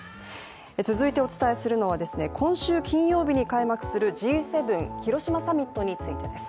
続いてお伝えするのは今週金曜日に開幕するＧ７広島サミットについてです。